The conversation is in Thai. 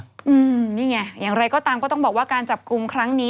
อืมนี่ไงอย่างไรก็ตามก็ต้องบอกว่าการจับกลุ่มครั้งนี้